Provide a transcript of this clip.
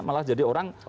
malah jadi orang salah